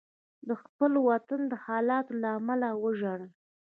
د خپل وطن د حالاتو له امله وژړل.